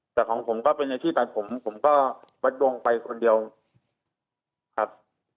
แต่ของผมก็เป็นในที่ตัดผมผมก็ประทรวงไปคนเดียวครับ